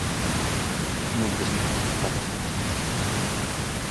Monte situado na parroquia de Esmeriz.